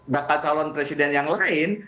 bakal calon presiden yang lain